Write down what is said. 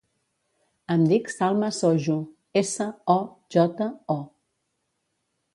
Em dic Salma Sojo: essa, o, jota, o.